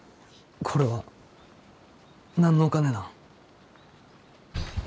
これは何のお金なん？